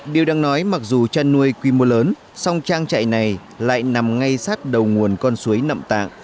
điều đang nói mặc dù chăn nuôi quy mô lớn song trang trại này lại nằm ngay sát đầu nguồn con suối nậm tạng